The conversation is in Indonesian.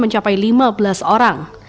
mencapai lima belas orang